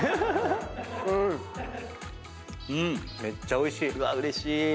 めっちゃおいしい。